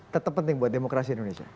tetap penting buat demokrasi indonesia